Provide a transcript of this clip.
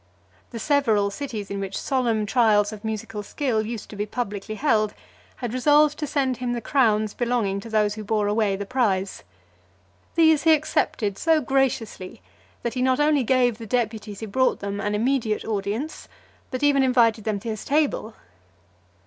The several cities, in which solemn trials of musical skill used to be publicly held, had resolved to send him the crowns belonging to those who bore away the prize. These he accepted so graciously, that he not only gave the deputies who brought them an immediate audience, but even invited them to his table.